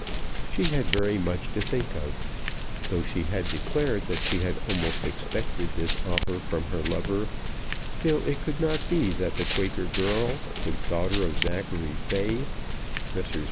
She had very much to think of. Though she had declared that she had almost expected this offer from her lover, still it could not be that the Quaker girl, the daughter of Zachary Fay, Messrs.